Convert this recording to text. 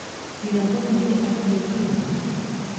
Biraboneye Aphrodice